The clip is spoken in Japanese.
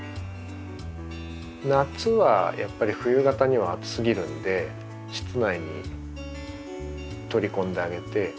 夏はやっぱり冬型には暑すぎるんで室内に取り込んであげて。